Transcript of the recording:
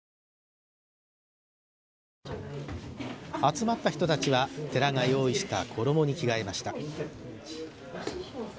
集まった人たちは寺が用意した衣に着替えました。